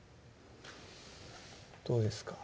どうですか？